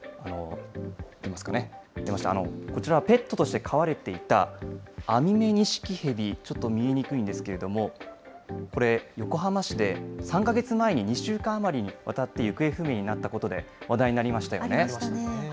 出ましたね、こちらはペットとして飼われていたアミメニシキヘビ、ちょっと見えにくいんですけど、これ、横浜市で３か月前に２週間余りにわたって行方不明になったことで、ありましたね。